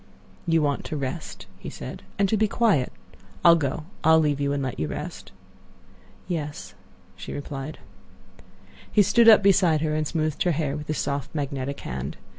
"You want to rest," he said, "and to be quiet. I'll go; I'll leave you and let you rest." "Yes," she replied. He stood up beside her and smoothed her hair with his soft, magnetic hand.